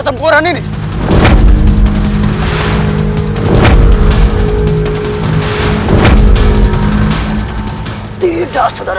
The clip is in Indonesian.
tapi ibu nda sadar